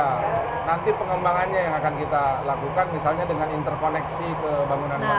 nah nanti pengembangannya yang akan kita lakukan misalnya dengan interkoneksi ke bangunan bangunan